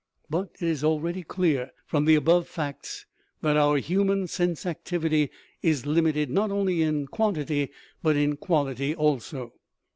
But it is already clear from the above facts that our human sense activity is limited, not only in quantity, but in quality also.